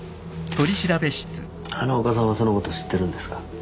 花岡さんはそのこと知ってるんですか？